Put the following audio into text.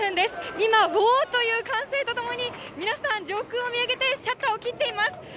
今、おー！という歓声とともに、皆さん上空を見上げてシャッターを切っています。